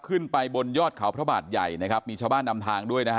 ขึ้นไปบนยอดเขาพระบาทใหญ่นะครับมีชาวบ้านนำทางด้วยนะฮะ